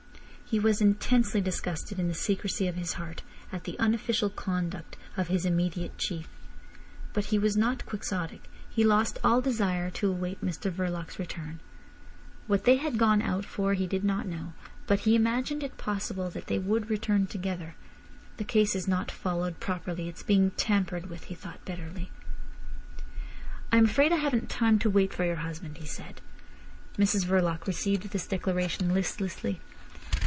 He was intensely disgusted in the secrecy of his heart at the unofficial conduct of his immediate chief. But he was not quixotic. He lost all desire to await Mr Verloc's return. What they had gone out for he did not know, but he imagined it possible that they would return together. The case is not followed properly, it's being tampered with, he thought bitterly. "I am afraid I haven't time to wait for your husband," he said. Mrs Verloc received this declaration listlessly.